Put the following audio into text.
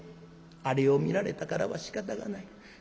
「あれを見られたからはしかたがない。